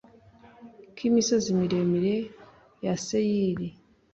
k’imisozi miremire ya seyiri